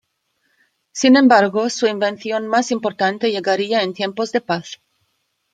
Sin embargo, su invención más importante llegaría en tiempos de paz.